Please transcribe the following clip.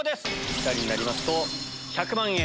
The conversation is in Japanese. ピタリになりますと１００万円。